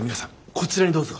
こちらにどうぞ。